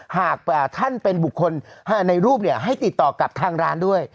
หากท่านเป็นบุคคลในรูปให้ติดต่อกับทางร้านด้วย